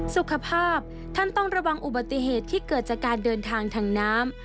สุขภาพท่านต้องระวังอุบัติเหตุที่เกิดจากการเดินทางทางน้ำ